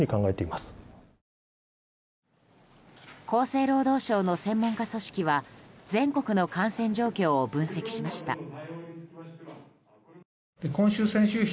厚生労働省の専門家組織は全国の感染状況を分析しました。